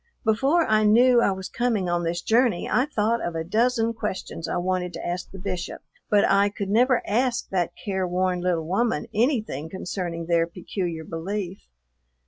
Before I knew I was coming on this journey I thought of a dozen questions I wanted to ask the Bishop, but I could never ask that care worn little woman anything concerning their peculiar belief.